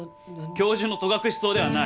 教授の戸隠草ではない！